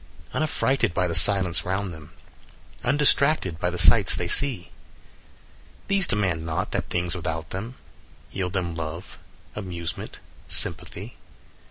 "Unaffrighted by the silence round them, Undistracted by the sights they see, These demand not that the things without them Yield them love, amusement, sympathy.